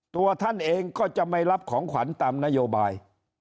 ตัวท่านเองก็จะไม่รับของขวัญตามนโยบาย